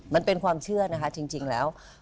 มันเป็นความเชื่อนะคะจริงแล้ว